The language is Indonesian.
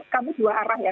kami dua arah ya